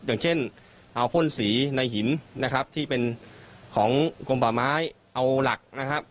อย่างเช่นเอาพ่นสีในหินนะครับที่เป็นของกลมป่าไม้เอาหลักนะครับ